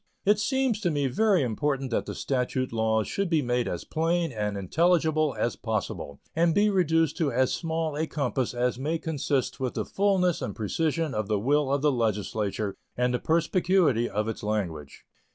It seems to me very important that the statute laws should be made as plain and intelligible as possible, and be reduced to as small a compass as may consist with the fullness and precision of the will of the Legislature and the perspicuity of its language.